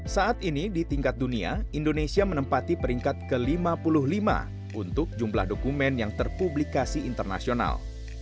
saat ini di tingkat dunia indonesia menempati peringkat ke lima puluh lima untuk jumlah dokumen yang terpublikasi internasional